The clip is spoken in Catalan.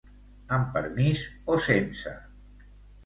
Amb permís o sense?